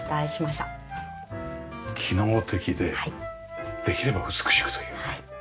機能的でできれば美しくというね。